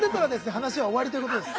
話は終わりということです。